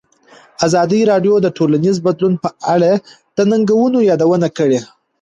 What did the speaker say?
ازادي راډیو د ټولنیز بدلون په اړه د ننګونو یادونه کړې.